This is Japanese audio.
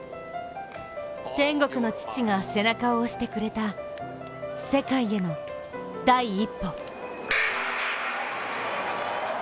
天国の父が背中を押してくれた世界への第一歩。